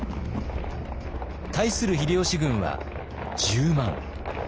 対する秀吉軍は１０万。